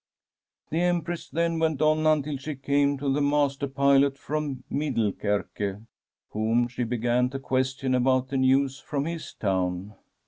'" The Empress then went on imtil she came to the master pilot from Middelkerke, whom she began to question about the news from his town.